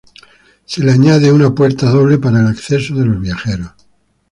Se le añade una puerta doble para el acceso de los viajeros.